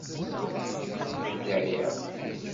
Dɛiɣ.